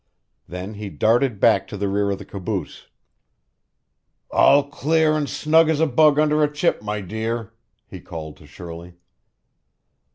Then he darted back to the rear of the caboose. "All clear and snug as a bug under a chip, my dear," he called to Shirley.